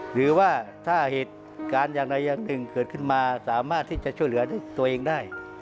หรือว่าถ้าเหตุการณ์อย่างใดอย่างหนึ่งเกิดขึ้นมาสามารถที่จะช่วยเหลือตัวเองได้